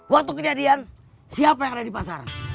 waktu kejadian siapa yang ada di pasar